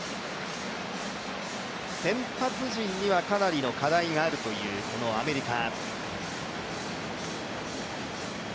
先発陣には、かなりの課題があるというアメリカ。